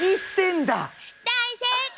大正解！